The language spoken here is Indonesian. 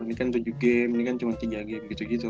ini kan tujuh game ini kan cuma tiga game gitu gitu